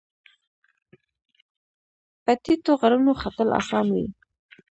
په ټیټو غرونو ختل اسان وي